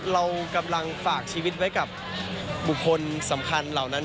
เรากำลังฝากชีวิตไว้กับบุคคลสำคัญเหล่านั้น